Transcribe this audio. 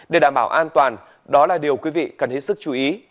để đảm bảo an toàn đó là điều quý vị cần hết sức chú ý